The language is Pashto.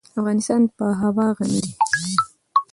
افغانستان په هوا غني دی.